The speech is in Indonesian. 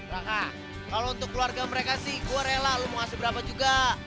raka kalau untuk keluarga mereka sih gue rela lo mau kasih berapa juga